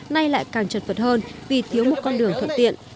nay lại càng chật vật hơn vì thiếu một con đường thuận tiện